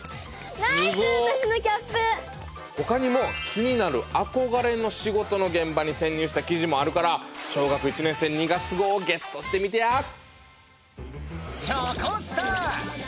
他にも気になる憧れの仕事の現場に潜入した記事もあるから『小学一年生』２月号をゲットしてみてや！